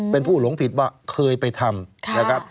เป็นผู้หลงผิดว่าเคยไปทำ